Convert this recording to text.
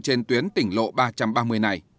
trên tuyến tỉnh lộ ba trăm ba mươi này